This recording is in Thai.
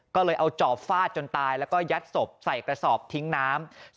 ก็เลยเอาจอบฟาดจนตายแล้วก็ยัดศพใส่กระสอบทิ้งน้ำ